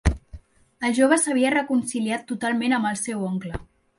El jove s'havia reconciliat totalment amb el seu oncle.